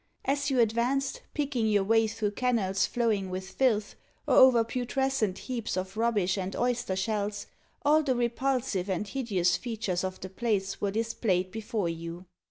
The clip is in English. As you advanced, picking your way through kennels flowing with filth, or over putrescent heaps of rubbish and oyster shells, all the repulsive and hideous features of the place were displayed before you.